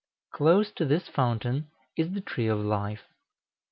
Close to this fountain is the Tree of Life.